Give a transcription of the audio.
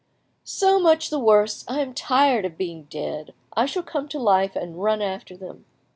"So much the worse. I am tired of being dead; I shall come to life and run after them.